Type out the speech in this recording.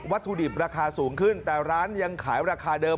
ถุดิบราคาสูงขึ้นแต่ร้านยังขายราคาเดิม